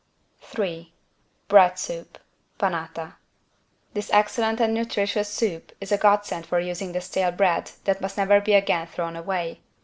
3 BREAD SOUP (Panata) This excellent and nutritious soup is a godsend for using the stale bread that must never again be thrown away.